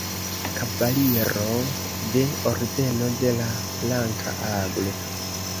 Kavaliro de Ordeno de la Blanka Aglo.